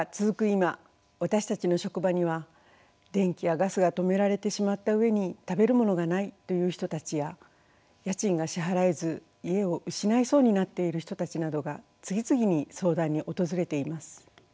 今私たちの職場には電気やガスが止められてしまった上に食べる物がないという人たちや家賃が支払えず家を失いそうになっている人たちなどが次々に相談に訪れています。